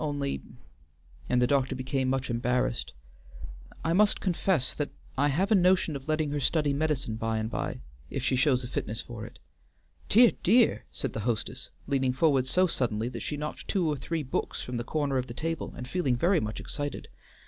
Only," and the doctor became much embarrassed, "I must confess that I have a notion of letting her study medicine by and by if she shows a fitness for it." "Dear, dear!" said the hostess, leaning forward so suddenly that she knocked two or three books from the corner of the table, and feeling very much excited.